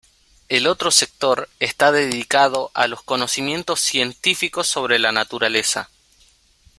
El otro sector está dedicado a los conocimientos científicos sobre la naturaleza.